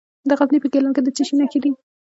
د غزني په ګیلان کې د څه شي نښې دي؟